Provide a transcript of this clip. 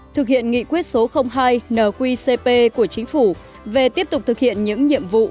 thực hiện nghị quyết số hai nqcp của chính phủ về tiếp tục thực hiện những nhiệm vụ